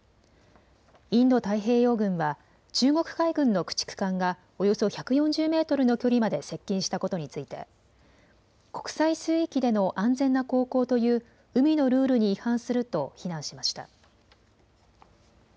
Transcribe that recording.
インド太平洋軍は中国海軍の駆逐艦がおよそ１４０メートルの距離まで接近したことについて国際水域での安全な航行という海のルールに違反すると非難しました。